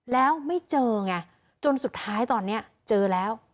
แล้วไม่เจอไงจนสุดท้ายตอนนี้เจอแล้ว